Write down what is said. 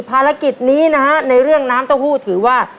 ภารกิจนี้นะฮะในเรื่องน้ำเต้าหู้ถือว่า